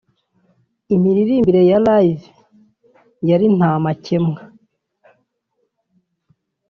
Imiririmbire ya Live yari nta makemwa